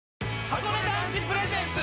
はこね男子プレゼンツ